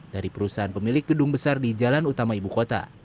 dari perusahaan pemilik gedung besar di jalan utama ibu kota